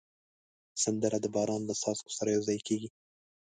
سندره د باران له څاڅکو سره یو ځای کېږي